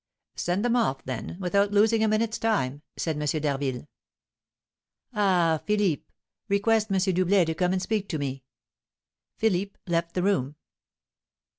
"Send them off, then, without losing a minute's time," said M. d'Harville. "Ah, Philippe, request M. Doublet to come and speak to me." Philippe left the room.